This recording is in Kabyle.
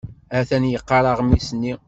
Atan yeqqar aɣmis-nni.